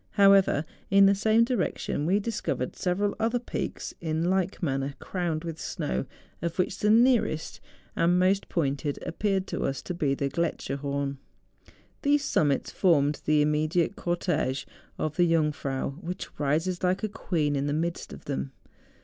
However, in the same direction we discovered several other THE JUNGFRAU. 79 peaks in like manner crowned with snow, of which the nearest and most pointed appeared to us to be the Grletscherhorn. These summits formed the im¬ mediate cortege of the Jungfrau, which rises like a queen in the midst of them.